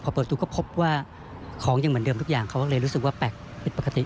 พอเปิดดูก็พบว่าของยังเหมือนเดิมทุกอย่างเขาเลยรู้สึกว่าแปลกผิดปกติ